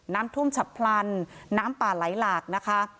น้ำท่วมฉับพลันน้ำป่าไหลหลากนะคะ